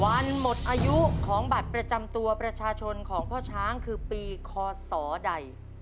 วันหมดอายุของบัตรประจำตัวประชาชนของพ่อช้างคือปีคศใด